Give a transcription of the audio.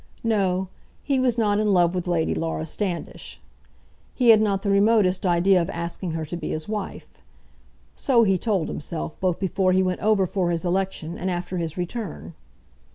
No; he was not in love with Lady Laura Standish. He had not the remotest idea of asking her to be his wife. So he told himself, both before he went over for his election, and after his return.